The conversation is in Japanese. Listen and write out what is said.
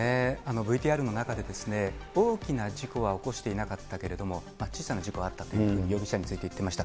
ＶＴＲの中で、大きな事故は起こしていなかったけれども、小さな事故はあったと、容疑者について言ってました。